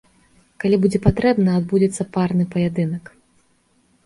Калі будзе патрэба, адбудзецца парны паядынак.